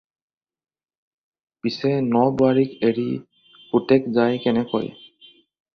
পিছে ন-বোৱাৰীক এৰি পুতেক যায় কেনেকৈ!